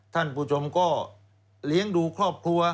ท่านผู้ชมก็เลี้ยงดูครอบครัว